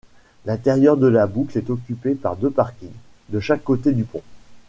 L'intérieur de la boucle est occupé par deux parkings, de chaque côté du pont.